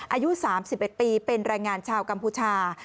อายุ๓๑ปีเป็นแรงงานชาวกัมพูชา